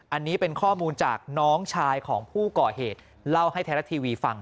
อันนี้เป็นข้อมูลจากน้องชายของผู้ก่อเหตุเล่าให้ไทยรัฐทีวีฟัง